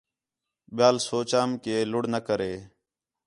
ٻِیال سُوچم کا لُڑھ نہ کرے